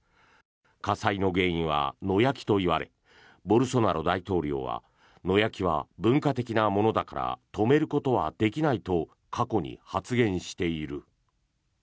火災の原因は野焼きといわれボルソナロ大統領は野焼きは文化的なものだから止めることはできないと過去に発言している。